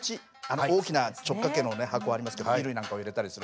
大きな直角形の箱ありますけど衣類なんかを入れたりする。